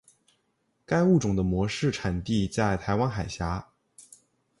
该物种的模式产地在台湾海峡。